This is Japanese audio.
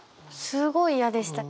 すごい嫌でした。